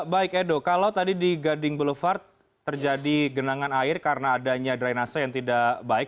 baik edo kalau tadi di gading boulevard terjadi genangan air karena adanya drainase yang tidak baik